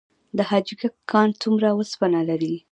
د حاجي ګک کان څومره وسپنه لري؟